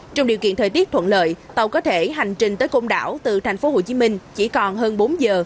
trong điều kiện thời tiết thuận lợi tàu có thể hành trình tới công đạo từ thành phố hồ chí minh chỉ còn hơn bốn giờ